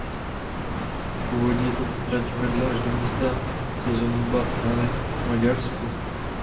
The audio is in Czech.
Původně tato trať vedla až do města Szombathely v Maďarsku.